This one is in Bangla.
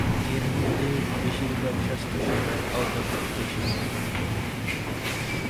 এর মধ্যে বেশিরভাগ স্বাস্থ্যসেবার আওতাভুক্ত ছিলেন।